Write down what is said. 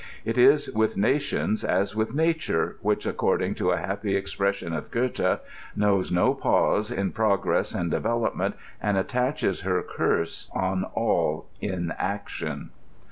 It is with nations as with nature, which, according to a happy expression of G6the,t " knows no pause in progress and development, and attaches her ctirse on all inaction."